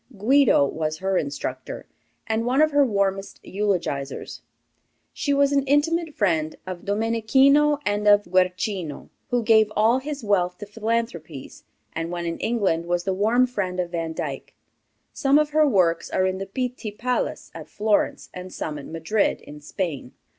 Guido was her instructor, and one of her warmest eulogizers. She was an intimate friend of Domenichino and of Guercino, who gave all his wealth to philanthropies, and when in England was the warm friend of Vandyck. Some of her works are in the Pitti Palace, at Florence, and some at Madrid, in Spain.